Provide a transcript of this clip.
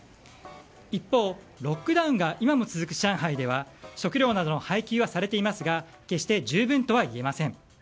一方、ロックダウンが今も続く上海では食料などの配給はされていますが決して、十分とは言えません。